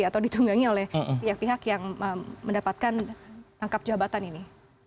atau ditunggangi oleh pihak pihak yang mendapatkan rangkap jabatan ini